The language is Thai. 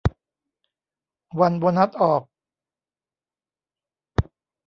วันโบนัสออก